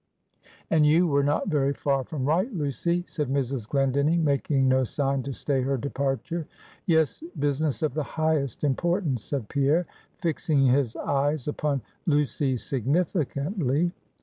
"And you were not very far from right, Lucy," said Mrs. Glendinning, making no sign to stay her departure. "Yes, business of the highest importance," said Pierre, fixing his eyes upon Lucy significantly.